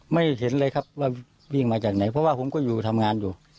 ไม่เห็นเลยครับว่าวิ่งมาจากไหนเพราะว่าผมก็อยู่ทำงานอยู่